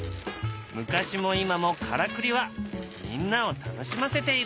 昔も今もからくりはみんなを楽しませている。